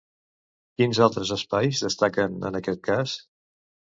Quins altres espais destaquen en aquest cas?